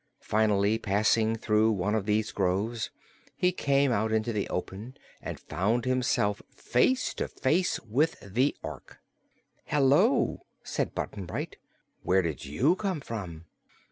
Finally, passing through one of these groves, he came out into the open and found himself face to face with the Ork. "Hello!" said Button Bright. "Where did you come from?"